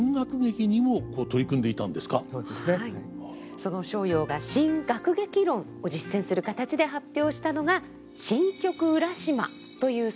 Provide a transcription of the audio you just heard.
その逍遙が「新楽劇論」を実践する形で発表したのが「新曲浦島」という作品です。